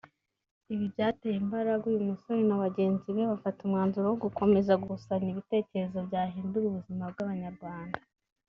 Ibi byateye imbaraga uyu musore na bagenzi be bafata umwanzuro wo gukomeza gukusanya ibitekerezo byahindura ubuzima bw’abanyarwanda